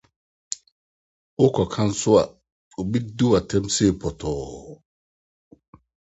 Wokɔka nso a, ɔbɛdi wo atɛm sei pɔtɔɔ.